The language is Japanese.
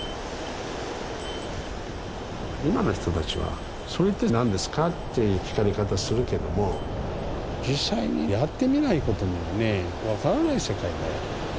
今の人たちは「それって何ですか？」って聞かれ方するけども実際にやってみないことにはね分からない世界だよ。